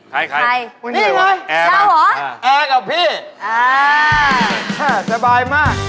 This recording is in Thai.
ใครมึงเนี่ยไงแอวหรอแอวกับพี่